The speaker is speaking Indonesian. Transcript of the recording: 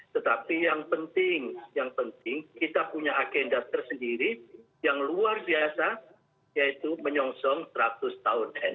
tetapi yang penting yang penting kita punya agenda tersendiri yang luar biasa yaitu menyongsong seratus tahun